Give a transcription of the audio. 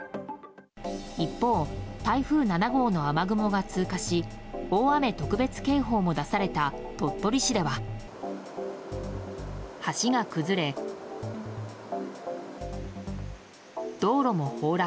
一方、台風７号の雨雲が通過し大雨特別警報も出された鳥取市では橋が崩れ、道路も崩落。